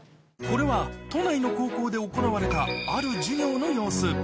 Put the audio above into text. これは都内の高校で行われたある授業の様子